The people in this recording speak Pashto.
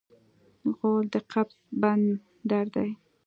غول د قبض بندر دی.